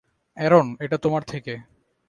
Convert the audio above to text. Aaron, এটা তোমার থেকে।